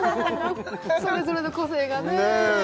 それぞれの個性がねえねえ